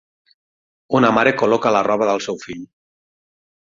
Una mare col·loca la roba del seu fill.